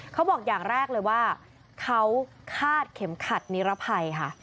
เขาบอกอย่างแรกเลยว่าเขาคาดเข็มขัดนิรภัยค่ะ